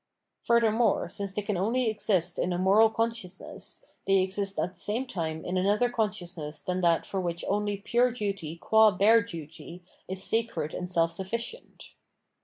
Furthermore, since they can only exist in a moral consciousness, they exist at the same time in another consciousness than that for which only pure duty qua bare duty is sacred and self sufl5cient.